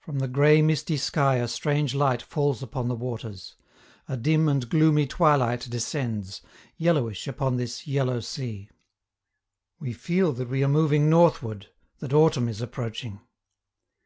From the gray misty sky a strange light falls upon the waters; a dim and gloomy twilight descends, yellowish upon this Yellow Sea. We feel that we are moving northward, that autumn is approaching.